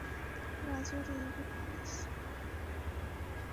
রাজার এইরূপ আদেশ।